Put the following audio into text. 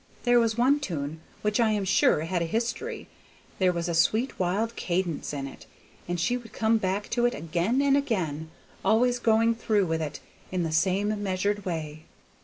There was one tune which I am sure had a history: there was a sweet wild cadence in it, and she would come back to it again and again, always going through with it in the same measured way.